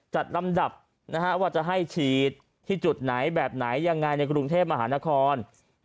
จัดลำดับว่าจะให้ฉีดที่จุดไหนแบบไหนยังไงในกรุงเทพมหานคร